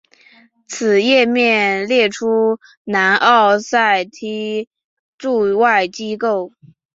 此页面列出南奥塞梯驻外机构。